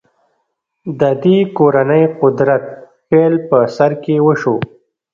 د دې کورنۍ قدرت پیل په سر کې وشو.